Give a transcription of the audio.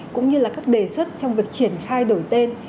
cũng như là các đề xuất trong việc triển khai đổi tên